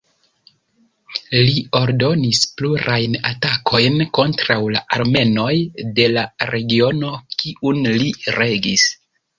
Li ordonis plurajn atakojn kontraŭ la armenoj de la regiono kiun li regis.